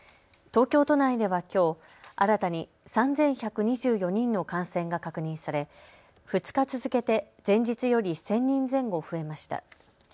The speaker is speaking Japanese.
東京都内ではきょう、新たに３１２４人の感染が確認され２日続けて前日より１０００人前後増えました。